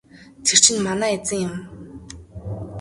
Тэр чинь манай эзэн юм.